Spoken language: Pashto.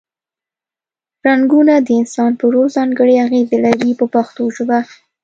رنګونه د انسان په روح ځانګړې اغیزې لري په پښتو ژبه.